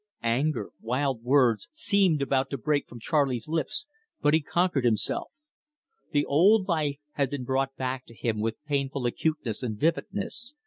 Anger, wild words, seemed about to break from Charley's lips, but he conquered himself. The old life had been brought back to him with painful acuteness and vividness.